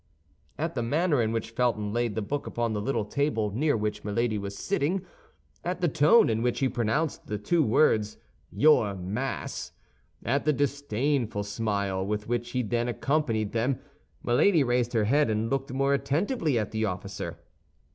At the manner in which Felton laid the book upon the little table near which Milady was sitting, at the tone in which he pronounced the two words, your Mass, at the disdainful smile with which he accompanied them, Milady raised her head, and looked more attentively at the officer.